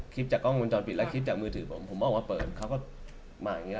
คลิปจากกล้องมันจอดปิดแล้วคลิปจากมือถือผมผมออกมาเปิดเขาก็มาอย่างนี้แล้ว